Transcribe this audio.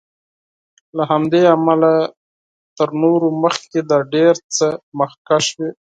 له همدې امله تر نورو مخکې د ډېر څه مخکښ وي.